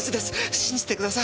信じてください！